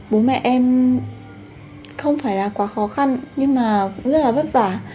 bố mẹ em không phải là quá khó khăn nhưng mà cũng rất là vất vả